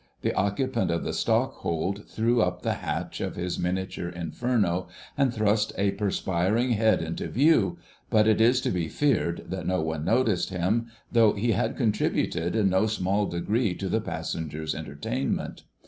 The occupant of the stockhold threw up the hatch of his miniature Inferno and thrust a perspiring head into view; but it is to be feared that no one noticed him, though he had contributed in no small degree to the passengers' entertainment.